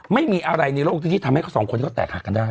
ไม่มีอะไรในโลกที่ทำให้๒คนก็แตกหากันได้